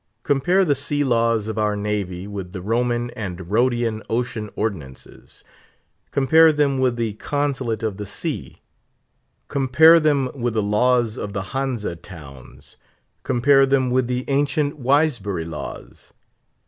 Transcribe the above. Compare the sea laws of our Navy with the Roman and Rhodian ocean ordinances; compare them with the "Consulate of the Sea;" compare them with the Laws of the Hanse Towns; compare them with the ancient Wisbury laws.